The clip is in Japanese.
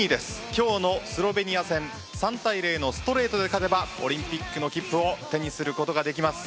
今日のスロベニア戦３対０のストレートで勝てばオリンピックの切符を手にすることができます。